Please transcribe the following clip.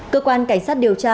cơ quan cảnh sát điều tra